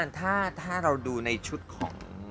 ต้องบอกว่าถ้าเราดูในชุดของ